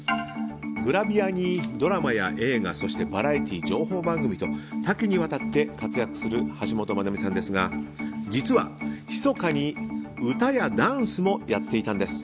グラビアにドラマや映画そしてバラエティー情報番組と多岐にわたって活躍する橋本マナミさんですが実は、ひそかに歌やダンスもやっていたんです。